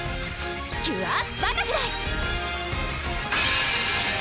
キュアバタフライ！